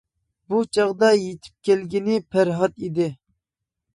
بۇ چاغدا يېتىپ كەلگىنى پەرھات ئىدى.